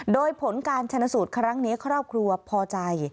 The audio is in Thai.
โดยผลการชนสูตรครั้งนี้ครอบครัวพอใจ